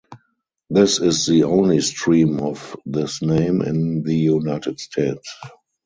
This is the only stream of this name in the United States.